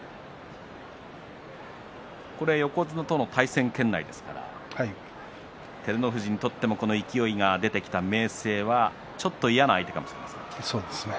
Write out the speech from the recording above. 横綱との対戦圏内ですから照ノ富士にとってもこの勢いが出てきた明生はちょっと嫌な相手かもしれませんね。